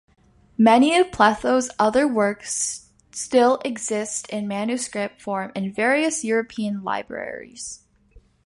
Many of Pletho's other works still exist in manuscript form in various European libraries.